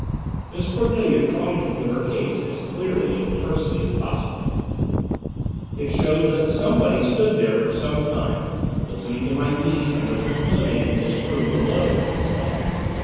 Miss Cornelia tried to put her case as clearly and tersely as possible. "It shows that somebody stood there for some time, listening to my niece and Richard Fleming in this room below," she said.